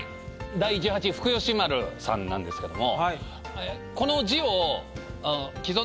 第十八福喜丸さんなんですけども。